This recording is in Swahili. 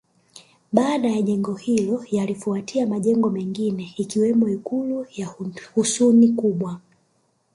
Baada ya jengo hilo yalifuatia majengo mengine ikiwemo Ikulu ya Husuni Kubwa